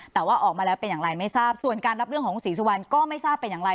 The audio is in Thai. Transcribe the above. แต่ว่าออกมาแล้วเป็นอย่างไรไม่ทราบส่วนการรับเรื่องของคุณศรีสุวรรณก็ไม่ทราบเป็นอย่างไร